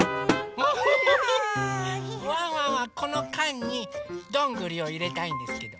ワンワンはこのかんにどんぐりをいれたいんですけど。